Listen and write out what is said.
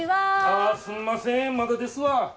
ああすんませんまだですわ。